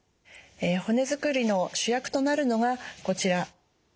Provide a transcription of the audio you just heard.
骨づくりの主役となるのがこちら。